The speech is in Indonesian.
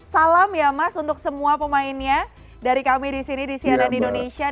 salam ya mas untuk semua pemainnya dari kami di sini di cnn indonesia